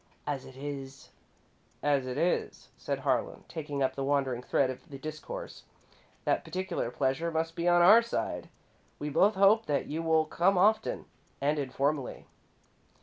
As it is " "As it is," said Harlan, taking up the wandering thread of the discourse, "that particular pleasure must be on our side. We both hope that you will come often, and informally."